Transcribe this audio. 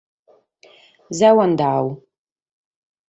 So andadu.